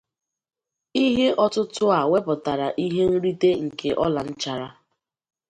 Ihe ọtụtụ a wepụtara ihe nrite nke ọla nchara.